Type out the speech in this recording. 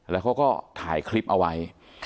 แล้วเขาก็ถ่ายคลิปเอาไว้